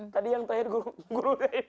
tadi yang tanya guru